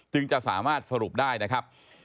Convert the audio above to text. จะสามารถสรุปได้นะครับ